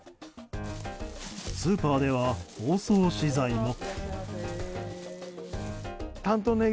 スーパーでは包装資材も。